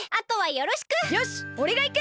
よしおれがいく！